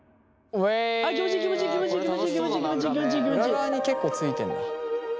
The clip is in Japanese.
裏側に結構ついてんだ。